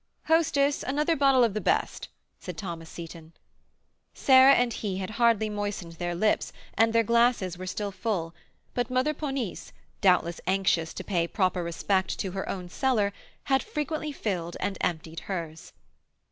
"Hostess, another bottle of the best," said Thomas Seyton. Sarah and he had hardly moistened their lips, and their glasses were still full; but Mother Ponisse, doubtless anxious to pay proper respect to her own cellar, had frequently filled and emptied hers.